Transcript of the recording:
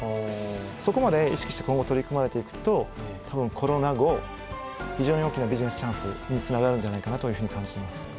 そこまで意識して今後取り組まれていくと多分コロナ後非常に大きなビジネスチャンスにつながるんじゃないかなというふうに感じます。